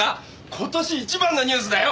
今年一番のニュースだよ！